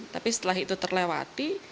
tapi setelah itu terlewati